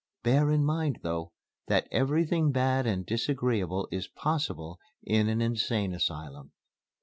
Bear in mind, though, that everything bad and disagreeable is possible in an Insane Asylum."